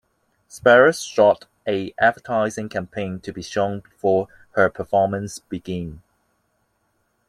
Spears shot an advertising campaign to be shown before her performances began.